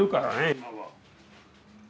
今は。